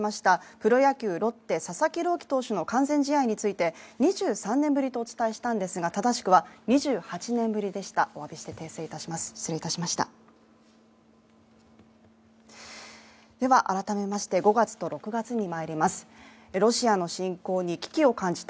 プロ野球ロッテ・佐々木朗希投手の完全試合について、２３年ぶりとお伝えしたんですが、正しくは２８年ぶりでした。